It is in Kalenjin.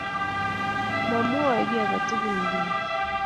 Mamwoe kiy ake tugul nguni.